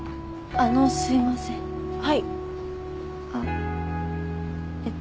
あっえっと